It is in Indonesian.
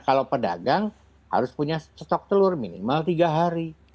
kalau pedagang harus punya stok telur minimal tiga hari